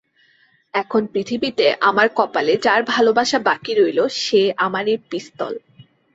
এখন পৃথিবীতে আমার কপালে যার ভালোবাসা বাকি রইল সে আমার এই পিস্তল।